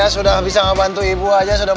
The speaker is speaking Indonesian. sudah bisa ngebantu ibu aja sudah bahagia luar dalam